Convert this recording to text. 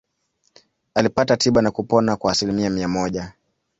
Alipata tiba na kupona kwa asilimia mia moja.